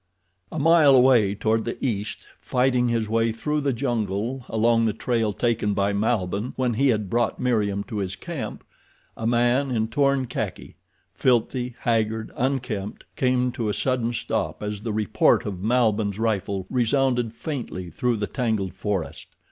A mile away toward the east, fighting his way through the jungle along the trail taken by Malbihn when he had brought Meriem to his camp, a man in torn khaki—filthy, haggard, unkempt—came to a sudden stop as the report of Malbihn's rifle resounded faintly through the tangled forest.